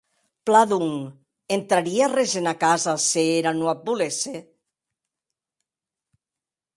Plan, donc, entrarie arrés ena casa s’era non ac volesse?